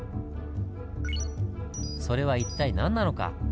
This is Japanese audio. それは一体何なのか？